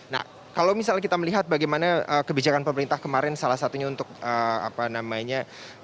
nah kalau misalnya kita melihat bagaimana kebijakan pemerintah kemarin salah satunya untuk apa namanya